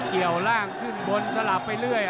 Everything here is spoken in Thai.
เกี่ยวร่างขึ้นบนสลับไปเรื่อย